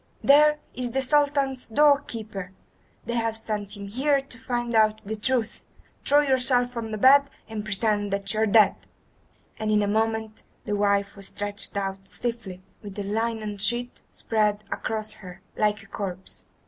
"There is the Sultan's door keeper! They have sent him here to find out the truth. Quick! throw yourself on the bed and pretend that you are dead." And in a moment the wife was stretched out stiffly, with a linen sheet spread across her, like a corpse.